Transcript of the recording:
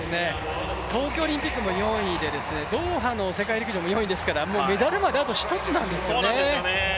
東京オリンピックも４位でドーハの世界陸上も４位ですからメダルまであと１つなんですよね。